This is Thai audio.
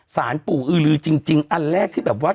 สารปู่อือลือจริงอันแรกที่แบบว่า